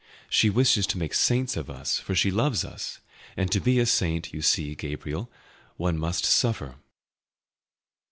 She wishes to make saints of us, for she loves us; and to be a saint, you see, Gabriel, one must suffer."